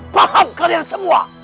paham kalian semua